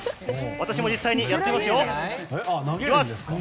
私も実際にやってみますよ。